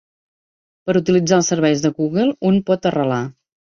Per utilitzar els serveis de Google un pot arrelar.